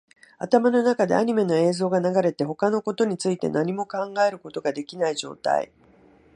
頭の中でアニメの映像が流れて、他のことについて何も考えることができない状態